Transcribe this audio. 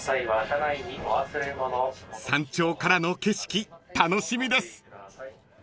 ［山頂からの景色楽しみです］